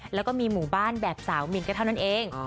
แล้วก็มีหมู่บ้านแบบสาวมินก็เท่านั้นเอง